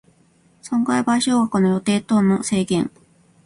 損害賠償額の予定等の制限